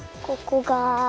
ここが。